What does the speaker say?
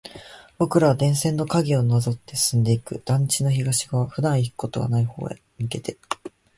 僕らは電線の影をなぞって進んでいく。団地の東側、普段行くことはない方に向けて。